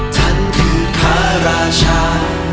ท่านคือข้าราชา